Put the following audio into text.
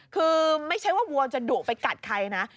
คือไม่ใช่ว่าวัวจะดุไปกัดใครนะ